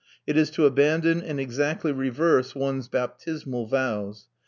It is to abandon and exactly reverse one's baptismal vows.